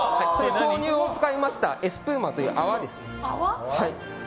豆乳を使いましたエスプーマという泡ですね。